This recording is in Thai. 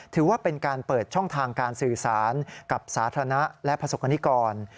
ถือว่าเป็นการเปิดช่องทางการสื่อสารกับสาธารณะและประสบกรณิกร